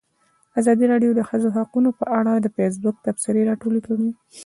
ازادي راډیو د د ښځو حقونه په اړه د فیسبوک تبصرې راټولې کړي.